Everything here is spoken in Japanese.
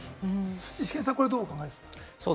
イシケンさん、どうですか？